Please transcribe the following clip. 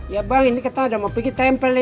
ya bang ini kita udah mau pergi tempel nih